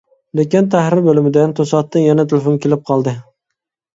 لېكىن تەھرىر بۆلۈمىدىن توساتتىن يەنە تېلېفون كېلىپ قالدى.